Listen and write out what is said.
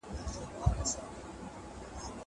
زه پرون بوټونه پاکوم!